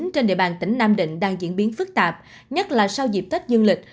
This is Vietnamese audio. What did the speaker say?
trên địa bàn tỉnh nam định đang diễn biến phức tạp nhất là sau dịp tết dương lịch